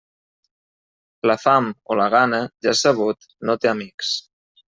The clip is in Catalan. La fam, o la gana, ja és sabut, no té amics.